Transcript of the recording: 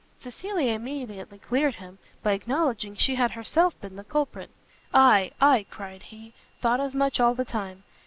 Cecilia immediately cleared him, by acknowledging she had herself been the culprit. "Ay, ay," cried he, "thought as much all the time!